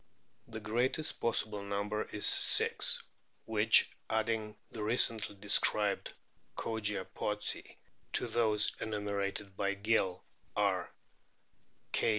The greatest possible number is six, which adding the recently described Kogia pottsi to those enumerated by Gill are K.